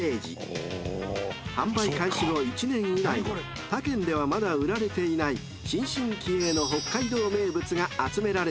［販売開始後１年以内の他県ではまだ売られていない新進気鋭の北海道名物が集められています］